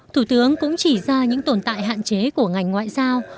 thủ tướng cũng chỉ ra những tồn tại hạn chế của ngành ngoại giao